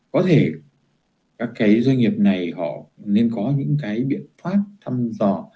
có thể các cái doanh nghiệp này họ nên có những cái biện pháp thăm dò